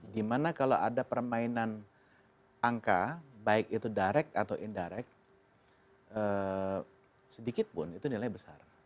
dimana kalau ada permainan angka baik itu direct atau indirect sedikit pun itu nilai besar